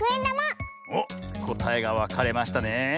おっこたえがわかれましたねえ。